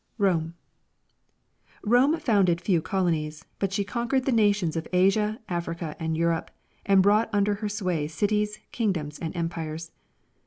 Rome. Rome founded few colonies, but she conquered the nations of Asia, Africa, and Europe, and brought under her sway cities, kingdoms and empires.